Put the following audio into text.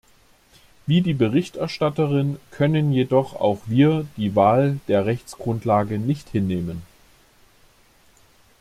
Wie die Berichterstatterin können jedoch auch wir die Wahl der Rechtsgrundlage nicht hinnehmen.